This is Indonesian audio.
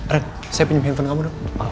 ren saya pinjem handphone kamu dulu